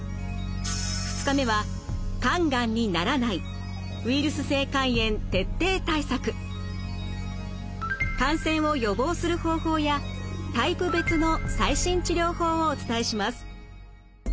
２日目は感染を予防する方法やタイプ別の最新治療法をお伝えします。